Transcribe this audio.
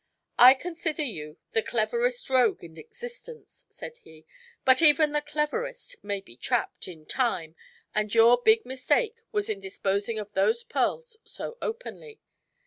"I consider you the cleverest rogue in existence," said he. "But even the cleverest may be trapped, in time, and your big mistake was in disposing of those pearls so openly.